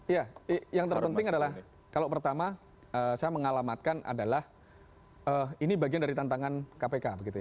ya yang terpenting adalah kalau pertama saya mengalamatkan adalah ini bagian dari tantangan kpk